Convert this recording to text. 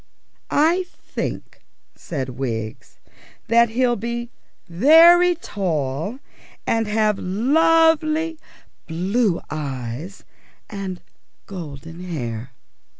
"I think," said Wiggs, "that he'll be very tall, and have lovely blue eyes and golden hair."